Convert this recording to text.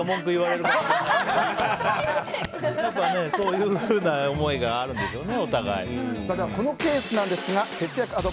だからそういうような思いがあるんでしょうね。